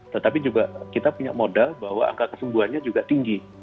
tetapi juga kita punya modal bahwa angka kesembuhannya juga tinggi